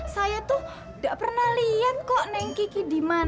saya tuh gak pernah lihat kok neng kiki di mana